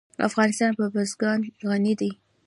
افغانستان په بزګان غني دی.